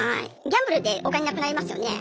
ギャンブルでお金なくなりますよね？